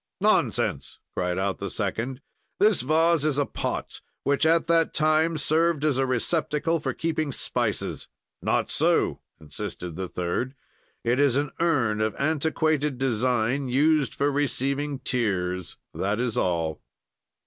"'Nonsense!' cried out the second; 'this vase is a pot which at that time served as a receptacle for keeping spices.' "'Not so!' insisted the third, 'it is an urn of antiquated design used for receiving tears; that is all.'